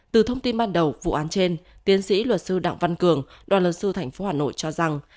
từ thông tin ban đầu vụ án trên tiến sĩ luật sư đặng văn cường đoàn luật sư tp hà nội cho rằng